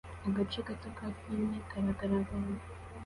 Agace gato ka filme karagaragara